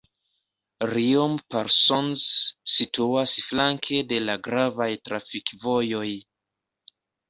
Riom-Parsonz situas flanke de la gravaj trafikvojoj.